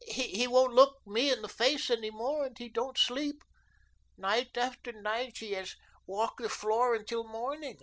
He won't look me in the face any more, and he don't sleep. Night after night, he has walked the floor until morning.